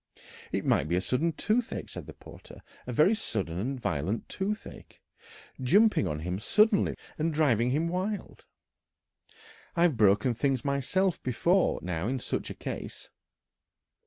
"It might be a sudden toothache," said the porter, "a very sudden and violent toothache, jumping on him suddenly like and driving him wild. I've broken things myself before now in such a case..."